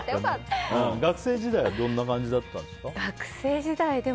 学生時代はどんな感じだったんですか？